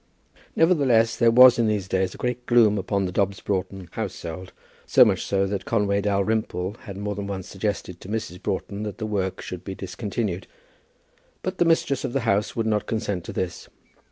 Nevertheless, there was in these days a great gloom upon the Dobbs Broughton household, so much so that Conway Dalrymple had more than once suggested to Mrs. Broughton that the work should be discontinued. But the mistress of the house would not consent to this.